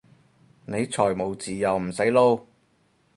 你財務自由唔使撈？